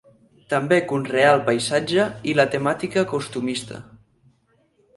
També conreà el paisatge i la temàtica costumista.